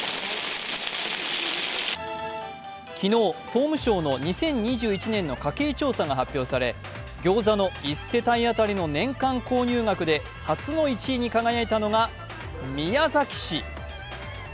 昨日、総務省の２０２１年の家計調査が発表されギョーザの１世帯当たりの年間購入額で初の１位に輝いたのが宮崎市。